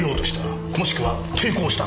もしくは抵抗した。